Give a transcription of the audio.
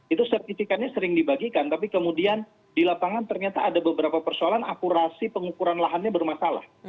itu sertifikatnya sering dibagikan tapi kemudian di lapangan ternyata ada beberapa persoalan akurasi pengukuran lahannya bermasalah